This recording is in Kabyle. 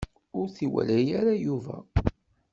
Ur t-iwala ara Yuba.